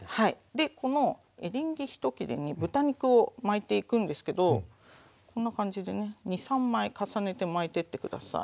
でこのエリンギ１切れに豚肉を巻いていくんですけどこんな感じでね２３枚重ねて巻いてって下さい。